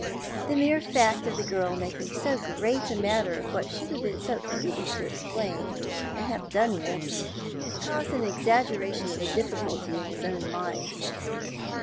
The mere fact of the girl making so great a matter out of what should have been so easy to explain and have done with, caused an exaggeration of the difficulty in his own mind.